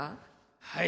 はい。